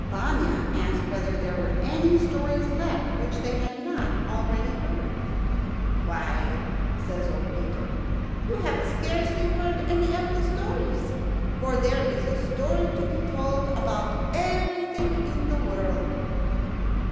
Vanya asked whether there were any stories left which they had not already heard. "Why," said old Peter, "you have heard scarcely any of the stories, for there is a story to be told about everything in the world."